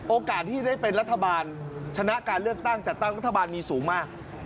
โอกาสที่ได้เป็นรัฐบาลชนะการเลือกตั้งจัดตั้งรัฐบาลมีสูงมาก